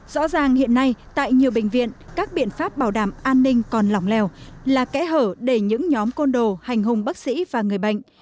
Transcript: rõ ràng hiện nay tại nhiều bệnh viện các biện pháp bảo đảm an ninh còn lỏng lèo là kẽ hở để những nhóm côn đồ hành hùng bác sĩ và người bệnh